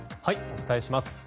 お伝えします。